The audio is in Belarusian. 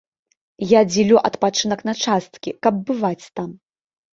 Я дзялю адпачынак на часткі, каб бываць там.